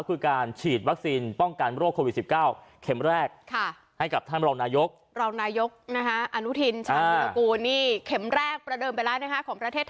คือการฉีดวัคซีนป้องกันโรคโควิด๑๙เข็มแรก